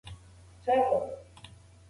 زده کوونکو د ازموینې لپاره چمتووالی نیولی و.